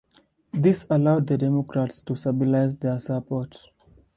This allowed the Democrats to stabilize their support.